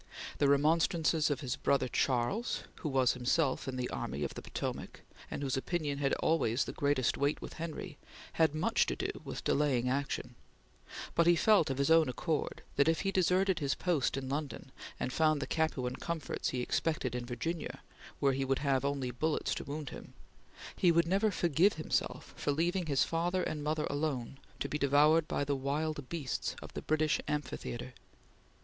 The remonstrances of his brother Charles, who was himself in the Army of the Potomac, and whose opinion had always the greatest weight with Henry, had much to do with delaying action; but he felt, of his own accord, that if he deserted his post in London, and found the Capuan comforts he expected in Virginia where he would have only bullets to wound him, he would never forgive himself for leaving his father and mother alone to be devoured by the wild beasts of the British amphitheatre.